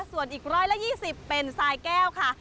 ส่วนอีก๑๒๐เป็นทรายแก้วค่ะ